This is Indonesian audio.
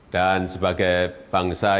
dan sebagai bangsa yang